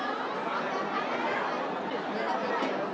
สวัสดีครับ